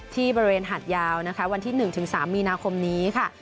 ที่บริเวณหาดยาวนะคะวันที่๑๓มีนาคมนี้ค่ะ